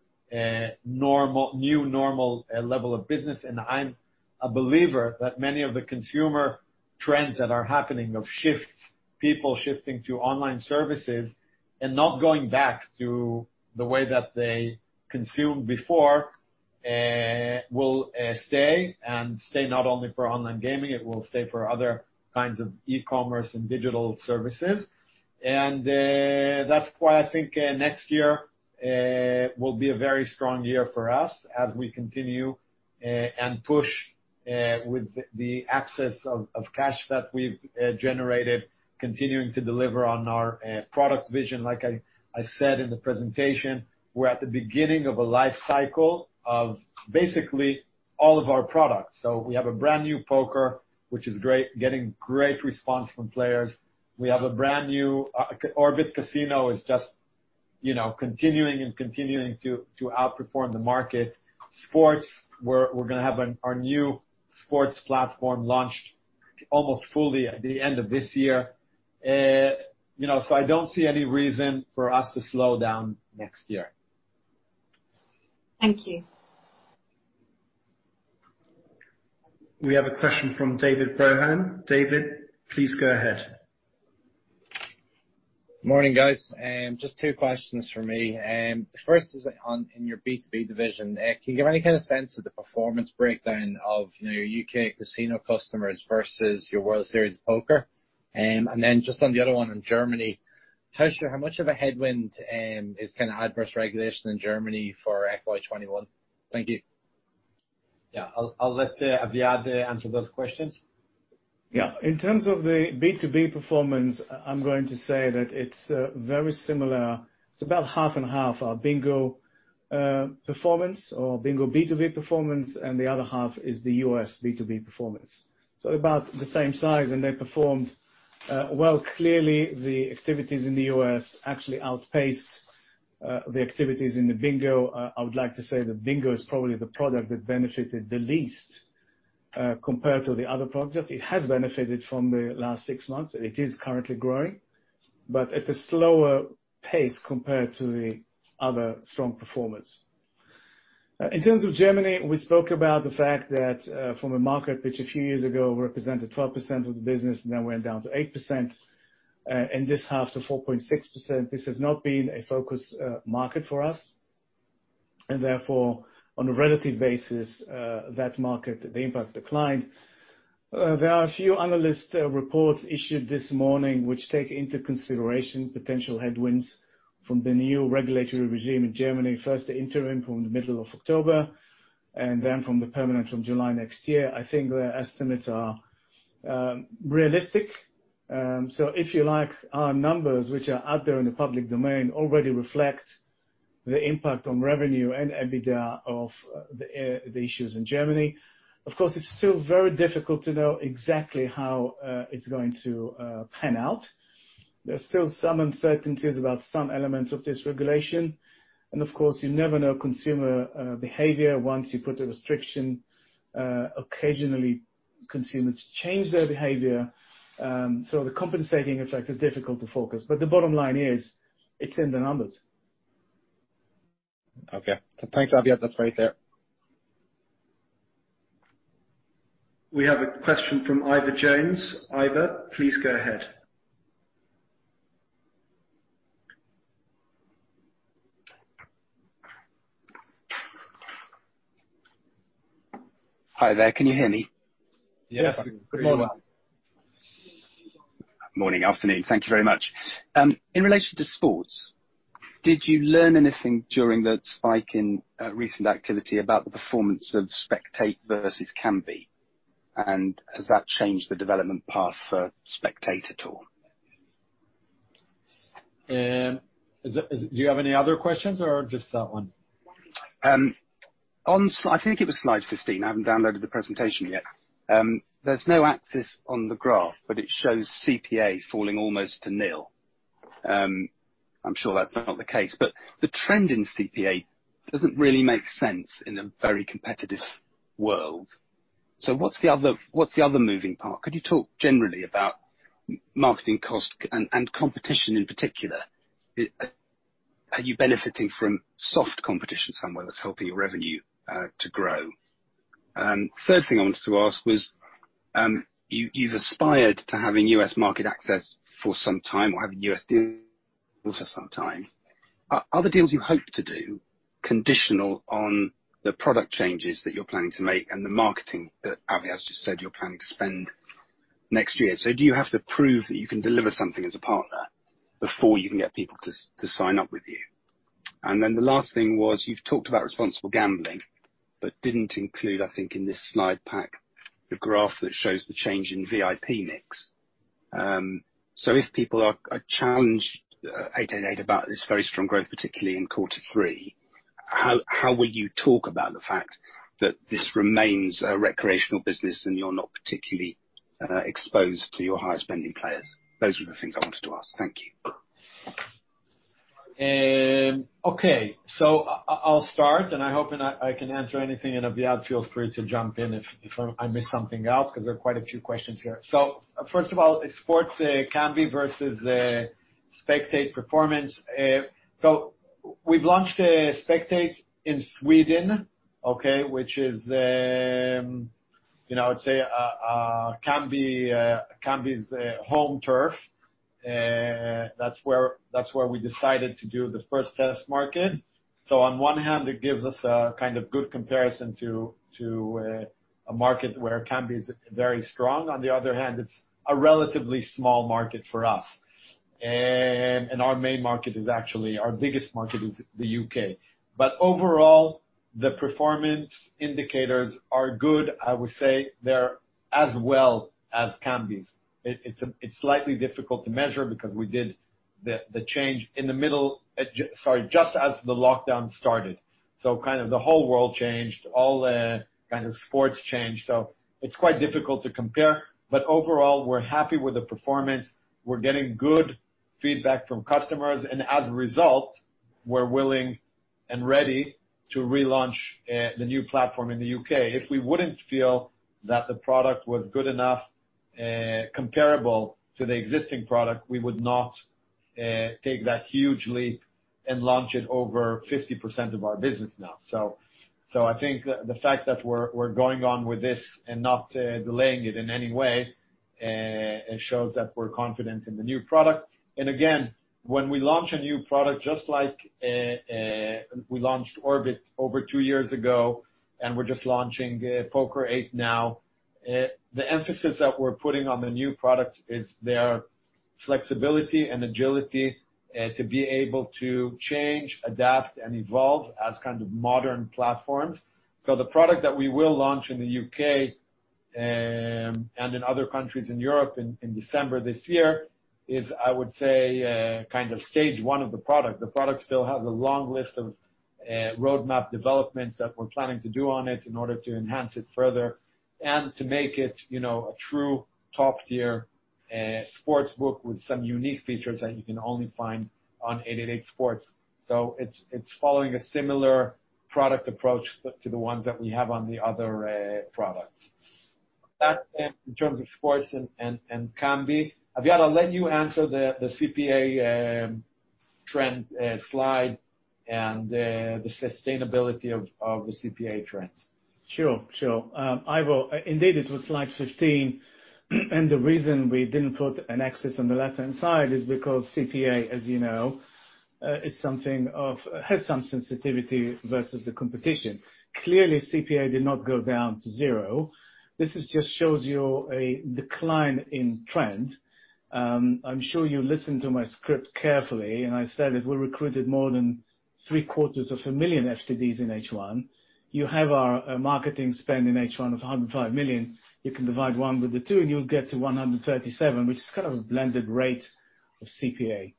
new normal level of business. And I'm a believer that many of the consumer trends that are happening of shifts, people shifting to online services and not going back to the way that they consumed before will stay. And stay not only for online gaming. It will stay for other kinds of e-commerce and digital services. And that's why I think next year will be a very strong year for us as we continue and push with the excess of cash that we've generated, continuing to deliver on our product vision. Like I said in the presentation, we're at the beginning of a life cycle of basically all of our products. So we have a brand new poker, which is great, getting great response from players. We have a brand new Orbit Casino is just continuing and continuing to outperform the market. Sports, we're going to have our new sports platform launched almost fully at the end of this year. So I don't see any reason for us to slow down next year. Thank you. We have a question from David Brohan. David, please go ahead. Morning, guys. Just two questions for me. The first is in your B2B division. Can you give any kind of sense of the performance breakdown of your U.K. casino customers versus your World Series of Poker? And then just on the other one in Germany, how much of a headwind is kind of adverse regulation in Germany for FY21? Thank you. Yeah. I'll let Aviad answer those questions. Yeah. In terms of the B2B performance, I'm going to say that it's very similar. It's about half and half our Bingo performance or Bingo B2B performance, and the other half is the U.S. B2B performance. So they're about the same size, and they performed well. Clearly, the activities in the U.S. actually outpaced the activities in the Bingo. I would like to say that Bingo is probably the product that benefited the least compared to the other products. It has benefited from the last six months, and it is currently growing, but at a slower pace compared to the other strong performers. In terms of Germany, we spoke about the fact that from a market which a few years ago represented 12% of the business, and then went down to 8% in this half to 4.6%. This has not been a focus market for us. And therefore, on a relative basis, that market, the impact declined. There are a few analyst reports issued this morning which take into consideration potential headwinds from the new regulatory regime in Germany, first the interim from the middle of October and then from the permanent from July next year. I think the estimates are realistic. So if you like, our numbers, which are out there in the public domain, already reflect the impact on revenue and EBITDA of the issues in Germany. Of course, it's still very difficult to know exactly how it's going to pan out. There's still some uncertainties about some elements of this regulation. And of course, you never know consumer behavior. Once you put a restriction, occasionally consumers change their behavior. So the compensating effect is difficult to forecast. But the bottom line is it's in the numbers. Okay. Thanks, Aviad. That's very clear. We have a question from Ivor Jones. Ivor, please go ahead. Hi there. Can you hear me? Yes. Good morning. Morning, afternoon. Thank you very much. In relation to sports, did you learn anything during the spike in recent activity about the performance of Spectate versus Kambi? And has that changed the development path for Spectate at all? Do you have any other questions or just that one? I think it was slide 15. I haven't downloaded the presentation yet. There's no axis on the graph, but it shows CPA falling almost to nil. I'm sure that's not the case. But the trend in CPA doesn't really make sense in a very competitive world. So what's the other moving part? Could you talk generally about marketing cost and competition in particular? Are you benefiting from soft competition somewhere that's helping your revenue to grow? Third thing I wanted to ask was you've aspired to having U.S. market access for some time or having U.S. deals for some time. Are the deals you hope to do conditional on the product changes that you're planning to make and the marketing that Aviad just said you're planning to spend next year? So do you have to prove that you can deliver something as a partner before you can get people to sign up with you? And then the last thing was you've talked about responsible gambling, but didn't include, I think, in this slide pack, the graph that shows the change in VIP mix. So if people are challenged about this very strong growth, particularly in Q3, how will you talk about the fact that this remains a recreational business and you're not particularly exposed to your higher spending players? Those were the things I wanted to ask. Thank you. Okay. So I'll start, and I hope I can answer anything. And Aviad, feel free to jump in if I missed something out because there are quite a few questions here. So first of all, sports Kambi versus Spectate performance. So we've launched Spectate in Sweden, okay, which is, I'd say, Kambi's home turf. That's where we decided to do the first test market. So on one hand, it gives us a kind of good comparison to a market where Kambi is very strong. On the other hand, it's a relatively small market for us. And our main market is actually our biggest market is the U.K. But overall, the performance indicators are good. I would say they're as well as Kambi's. It's slightly difficult to measure because we did the change in the middle, sorry, just as the lockdown started. So kind of the whole world changed, all kind of sports changed. So it's quite difficult to compare. But overall, we're happy with the performance. We're getting good feedback from customers. And as a result, we're willing and ready to relaunch the new platform in the U.K. If we wouldn't feel that the product was good enough, comparable to the existing product, we would not take that huge leap and launch it over 50% of our business now. So I think the fact that we're going on with this and not delaying it in any way shows that we're confident in the new product. Again, when we launch a new product, just like we launched Orbit over two years ago, and we're just launching Poker8 now, the emphasis that we're putting on the new products is their flexibility and agility to be able to change, adapt, and evolve as kind of modern platforms. So the product that we will launch in the U.K. and in other countries in Europe in December this year is, I would say, kind of stage one of the product. The product still has a long list of roadmap developments that we're planning to do on it in order to enhance it further and to make it a true top-tier sports book with some unique features that you can only find on 888sport. So it's following a similar product approach to the ones that we have on the other products. That's it in terms of sports and Kambi. Aviad, I'll let you answer the CPA trend slide and the sustainability of the CPA trends. Sure. Sure. Ivor, indeed, it was slide 15. And the reason we didn't put an axis on the left-hand side is because CPA, as you know, has some sensitivity versus the competition. Clearly, CPA did not go down to zero. This just shows you a decline in trend. I'm sure you listened to my script carefully, and I said that we recruited more than 750,000 FTDs in H1. You have our marketing spend in H1 of $105 million. You can divide one with the two, and you'll get to $137, which is kind of a blended rate of CPA.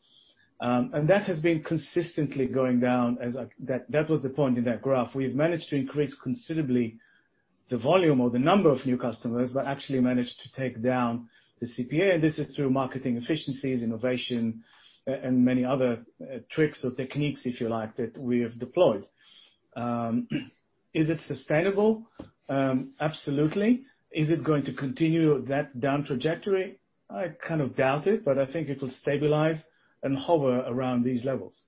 And that has been consistently going down. That was the point in that graph. We've managed to increase considerably the volume or the number of new customers, but actually managed to take down the CPA, and this is through marketing efficiencies, innovation, and many other tricks or techniques, if you like, that we have deployed. Is it sustainable? Absolutely. Is it going to continue that down trajectory? I kind of doubt it, but I think it will stabilize and hover around these levels.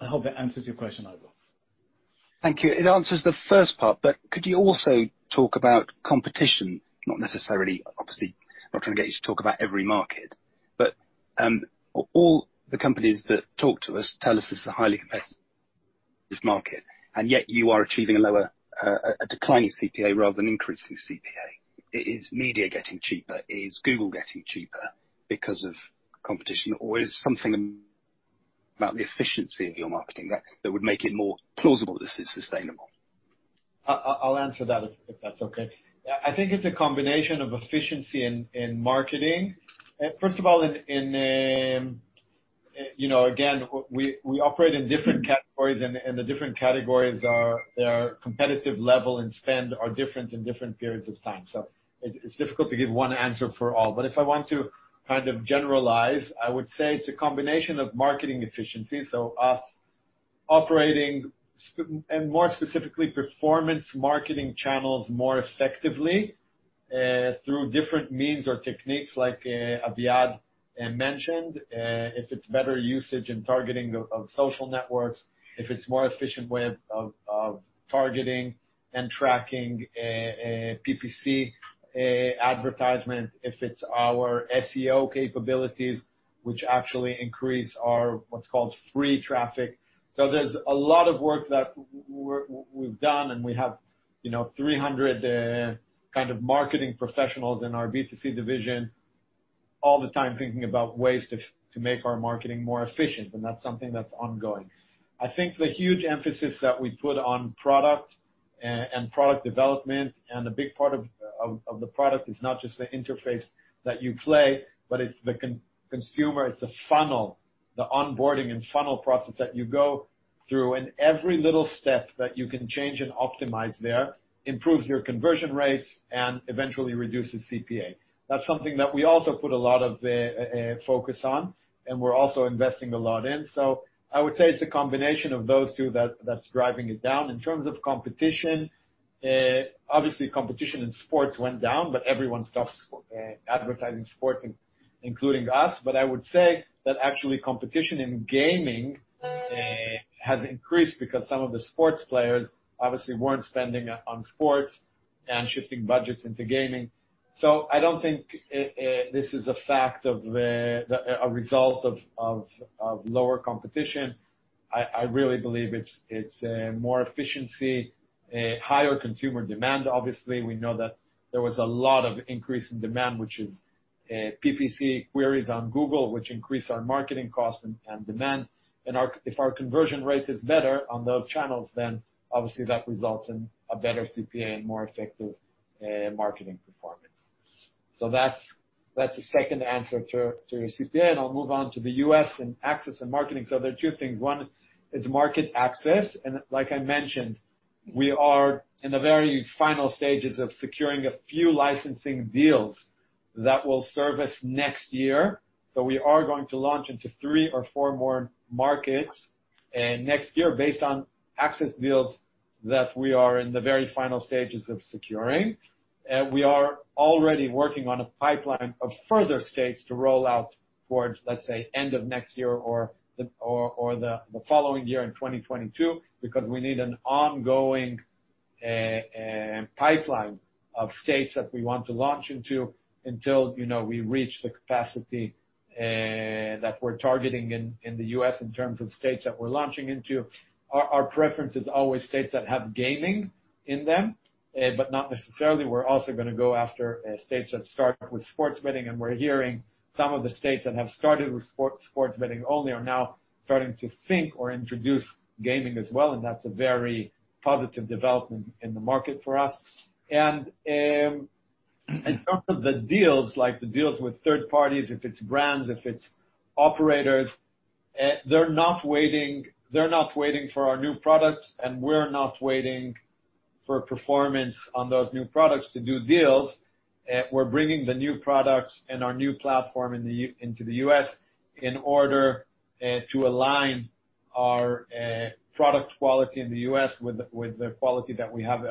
I hope that answers your question, Ivor. Thank you. It answers the first part, but could you also talk about competition? Not necessarily, obviously, not trying to get you to talk about every market, but all the companies that talk to us tell us this is a highly competitive market, and yet you are achieving a declining CPA rather than increasing CPA. Is media getting cheaper? Is Google getting cheaper because of competition? Or is it something about the efficiency of your marketing that would make it more plausible that this is sustainable? I'll answer that if that's okay. I think it's a combination of efficiency in marketing. First of all, again, we operate in different categories, and the different categories are their competitive level and spend are different in different periods of time. So it's difficult to give one answer for all. But if I want to kind of generalize, I would say it's a combination of marketing efficiency, so us operating, and more specifically, performance marketing channels more effectively through different means or techniques, like Aviad mentioned, if it's better usage and targeting of social networks, if it's a more efficient way of targeting and tracking PPC advertisement, if it's our SEO capabilities, which actually increase our what's called free traffic. So there's a lot of work that we've done, and we have 300, kind of, marketing professionals in our B2C division all the time thinking about ways to make our marketing more efficient. And that's something that's ongoing. I think the huge emphasis that we put on product and product development, and a big part of the product is not just the interface that you play, but it's the consumer. It's a funnel, the onboarding and funnel process that you go through. And every little step that you can change and optimize there improves your conversion rates and eventually reduces CPA. That's something that we also put a lot of focus on, and we're also investing a lot in. So I would say it's a combination of those two that's driving it down. In terms of competition, obviously, competition in sports went down, but everyone stopped advertising sports, including us. But I would say that actually competition in gaming has increased because some of the sports players obviously weren't spending on sports and shifting budgets into gaming. So I don't think this is a fact or a result of lower competition. I really believe it's more efficiency, higher consumer demand, obviously. We know that there was a lot of increase in demand, which is PPC queries on Google, which increased our marketing cost and demand. And if our conversion rate is better on those channels, then obviously that results in a better CPA and more effective marketing performance. So that's the second answer to your CPA. And I'll move on to the U.S. and access and marketing. So there are two things. One is market access. And like I mentioned, we are in the very final stages of securing a few licensing deals that will serve us next year. So we are going to launch into three or four more markets next year based on access deals that we are in the very final stages of securing. We are already working on a pipeline of further states to roll out towards, let's say, end of next year or the following year in 2022 because we need an ongoing pipeline of states that we want to launch into until we reach the capacity that we're targeting in the U.S. in terms of states that we're launching into. Our preference is always states that have gaming in them, but not necessarily. We're also going to go after states that start with sports betting. And we're hearing some of the states that have started with sports betting only are now starting to think or introduce gaming as well. And that's a very positive development in the market for us. And in terms of the deals, like the deals with third parties, if it's brands, if it's operators, they're not waiting for our new products, and we're not waiting for performance on those new products to do deals. We're bringing the new products and our new platform into the U.S. in order to align our product quality in the U.S. with the quality that we have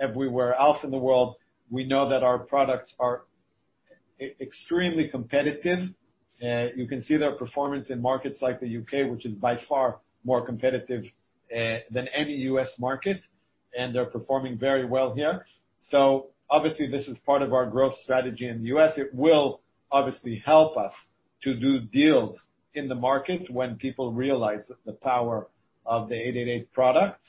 everywhere else in the world. We know that our products are extremely competitive. You can see their performance in markets like the U.K., which is by far more competitive than any U.S. market, and they're performing very well here. So obviously, this is part of our growth strategy in the U.S. It will obviously help us to do deals in the market when people realize the power of the 888 products.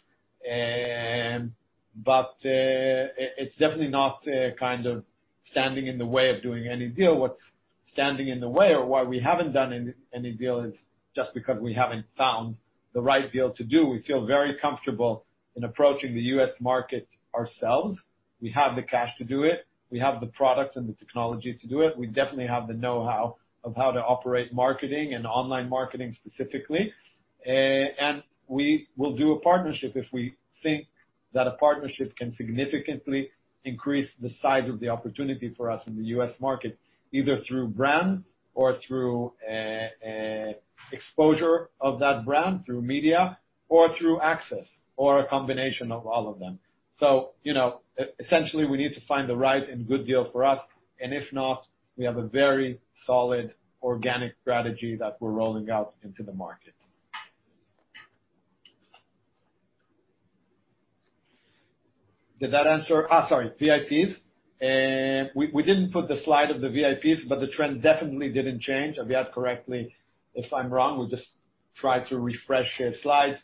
But it's definitely not kind of standing in the way of doing any deal. What's standing in the way or why we haven't done any deal is just because we haven't found the right deal to do. We feel very comfortable in approaching the U.S. market ourselves. We have the cash to do it. We have the products and the technology to do it. We definitely have the know-how of how to operate marketing and online marketing specifically. And we will do a partnership if we think that a partnership can significantly increase the size of the opportunity for us in the U.S. market, either through brand or through exposure of that brand through media or through access or a combination of all of them. So essentially, we need to find the right and good deal for us. And if not, we have a very solid organic strategy that we're rolling out into the market. Did that answer? Sorry. VIPs. We didn't put the slide of the VIPs, but the trend definitely didn't change. Aviad, correct me if I'm wrong. We just tried to refresh your slides.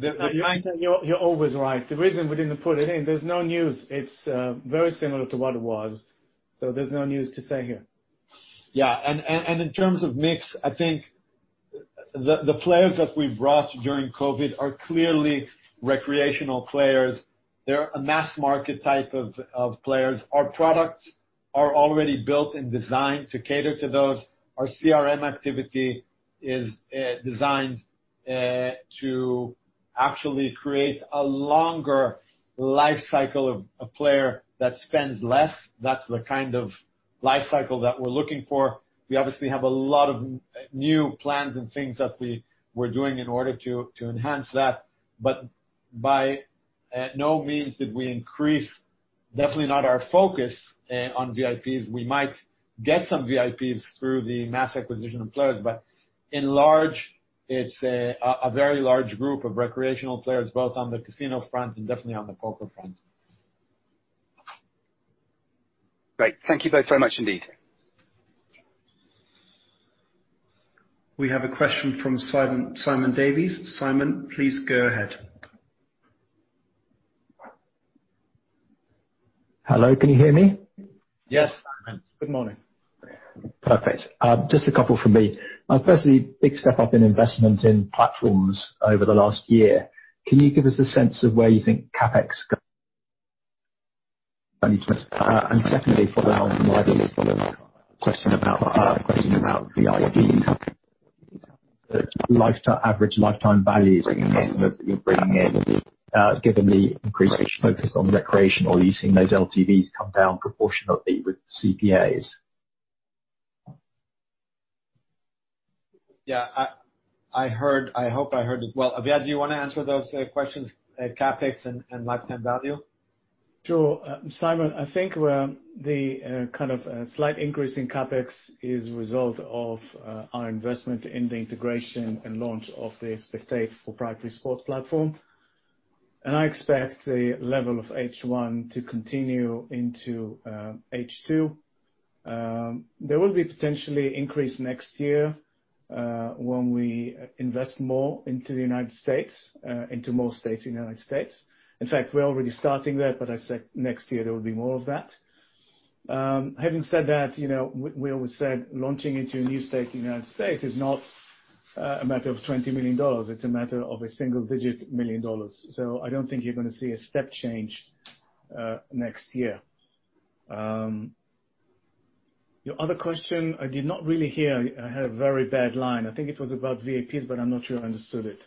You're always right. The reason we didn't put it in, there's no news. It's very similar to what it was. So there's no news to say here. Yeah. And in terms of mix, I think the players that we've brought during COVID are clearly recreational players. They're a mass market type of players. Our products are already built and designed to cater to those. Our CRM activity is designed to actually create a longer lifecycle of a player that spends less. That's the kind of lifecycle that we're looking for. We obviously have a lot of new plans and things that we're doing in order to enhance that. But by no means did we increase, definitely not our focus on VIPs. We might get some VIPs through the mass acquisition of players, but by and large, it's a very large group of recreational players, both on the casino front and definitely on the poker front. Great. Thank you both very much indeed. We have a question from Simon Davies. Simon, please go ahead. Hello. Can you hear me? Yes, Simon. Good morning. Perfect. Just a couple for me. Firstly, big step up in investment in platforms over the last year. Can you give us a sense of where you think CapEx goes? And secondly, for our question about VIPs, the average lifetime value for the customers that you're bringing in, given the increased focus on recreation or using those LTVs come down proportionately with CPAs? Yeah. I hope I heard it well. Aviad, do you want to answer those questions, CapEx and lifetime value? Sure. Simon, I think the kind of slight increase in CapEx is a result of our investment in the integration and launch of the Spectate proprietary sports platform. And I expect the level of H1 to continue into H2. There will be potentially increase next year when we invest more into the United States, into more states in the United States. In fact, we're already starting that, but I said next year there will be more of that. Having said that, we always said launching into a new state in the United States is not a matter of $20 million. It's a matter of a single-digit million dollars. So I don't think you're going to see a step change next year. Your other question, I did not really hear. I had a very bad line. I think it was about VIPs, but I'm not sure I understood it.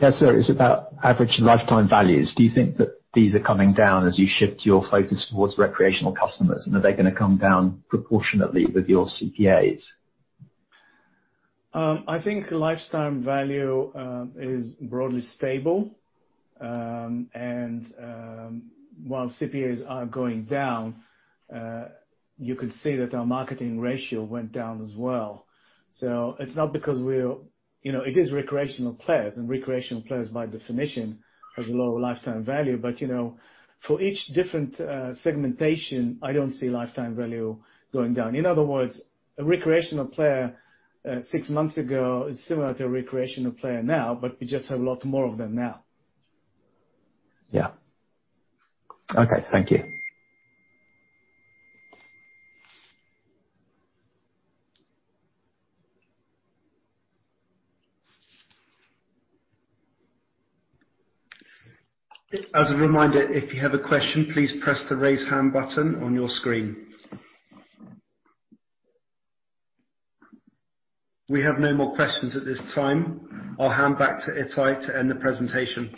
Yes, sir. It's about average lifetime values. Do you think that these are coming down as you shift your focus towards recreational customers, and are they going to come down proportionately with your CPAs? I think lifetime value is broadly stable, and while CPAs are going down, you could see that our marketing ratio went down as well, so it's not because it is recreational players, and recreational players by definition have a lower lifetime value, but for each different segmentation, I don't see lifetime value going down. In other words, a recreational player six months ago is similar to a recreational player now, but we just have a lot more of them now. Yeah. Okay. Thank you. As a reminder, if you have a question, please press the raise hand button on your screen. We have no more questions at this time. I'll hand back to Itai to end the presentation.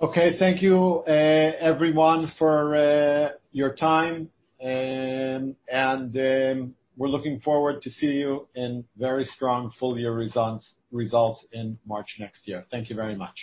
Okay. Thank you, everyone, for your time, and we're looking forward to seeing you in very strong full-year results in March next year. Thank you very much.